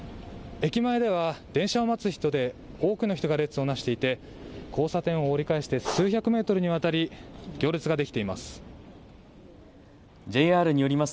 駅前では電車を待つ人で多くの人が列を成していて交差点を折り返して数百メートルにわたり行列ができています。